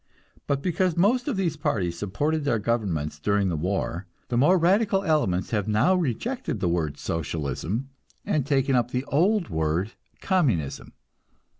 But because most of these parties supported their governments during the war, the more radical elements have now rejected the word Socialism, and taken up the old word Communism.